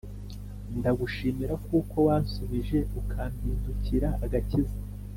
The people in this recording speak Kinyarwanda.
Ndagushimira kuko wansubije, ukampindukira agakiza